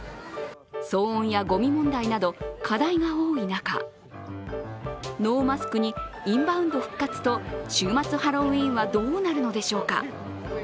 騒音やごみ問題など、課題が多い中、ノーマスクにインバウンド復活と、週末ハロウィーンはどうなるのでしょうか。